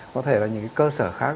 có thể là những cái cơ sở khác